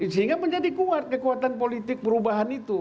sehingga menjadi kuat kekuatan politik perubahan itu